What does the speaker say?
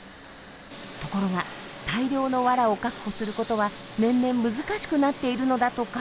ところが大量のワラを確保することは年々難しくなっているのだとか。